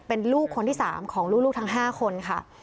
เป็นลูกคนที่๓ของลูกทั้ง๕คนค่ะ